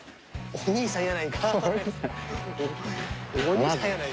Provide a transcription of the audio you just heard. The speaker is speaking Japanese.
お兄さんやないかーい。